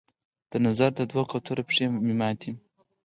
د نظر د دوو کوترو پښې مې ماتي